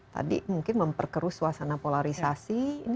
tadi mungkin memperkeruh suasana polarisasi